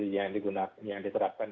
yang digunakan yang diterapkan